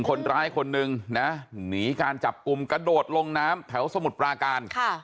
คนร้ายคนนึงนะหนีการจับกลุ่มกระโดดลงน้ำแถวสมุทรปราการ